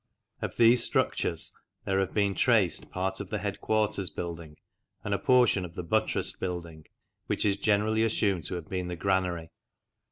Of these structures there have been traced part of the headquarters building and a portion of the buttressed building which is generally assumed to have been the granary.